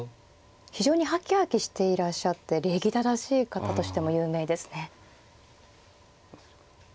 非常にはきはきしていらっしゃって礼儀正しい方としても有名ですね。